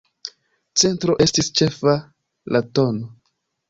Centro estis ĉefa, la tn.